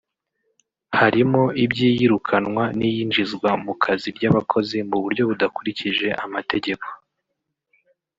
harimo iby’iyirukanwa n’iyinjizwa mu kazi ry’abakozi mu buryo budakurikije amategeko